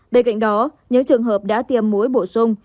bên cạnh đó những trường hợp đã tiêm muối bổ sung